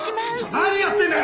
何やってんだよ！